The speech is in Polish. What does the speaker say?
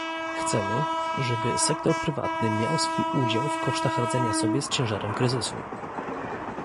"Chcemy, żeby sektor prywatny miał swój udział w kosztach radzenia sobie z ciężarem kryzysu"